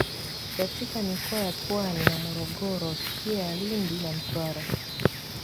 katika mikoa ya Pwani na Morogoro pia Lindi na Mtwara